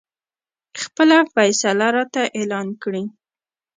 خپله فیصله راته اعلان کړي.